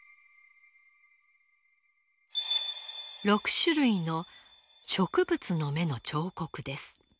６種類の植物の芽の彫刻です。